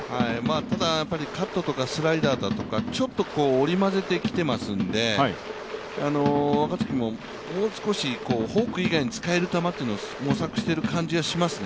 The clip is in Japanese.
ただカットとかスライダーだとか、ちょっと織り交ぜてきてますんで、若月もフォーク以外に使える球を模索している感じがしますね。